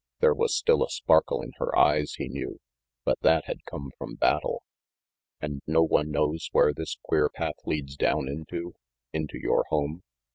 There was still a sparkle in her eyes, he knew, but that had come from battle. "And no one knows where this queer path leads down into into your home?"